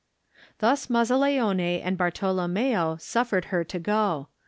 Thus Mazzaledne and Bartolommeo suf fered her to go.